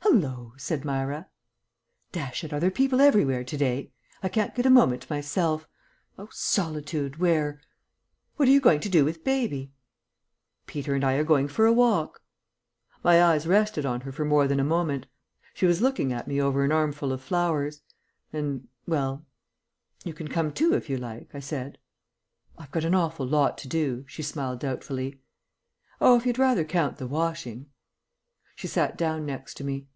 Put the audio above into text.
"Hallo!" said Myra. "Dash it, are there people everywhere to day? I can't get a moment to myself. 'O solitude, where '" "What are you going to do with baby?" "Peter and I are going for a walk." My eyes rested on her for more than a moment. She was looking at me over an armful of flowers ... and well "You can come too if you like," I said. "I've got an awful lot to do," she smiled doubtfully. "Oh, if you'd rather count the washing." She sat down next to me.